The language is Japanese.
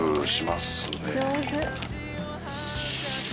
上手。